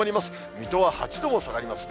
水戸は８度も下がりますね。